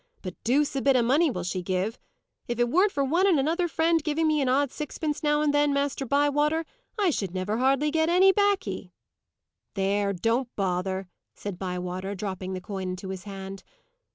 But deuce a bit of money will she give. If it weren't for one and another friend giving me an odd sixpence now and then, Master Bywater, I should never hardly get any baccy!" "There; don't bother!" said Bywater, dropping the coin into his hand.